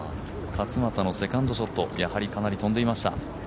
勝俣のセカンドショット、やはりかなり飛んでいました。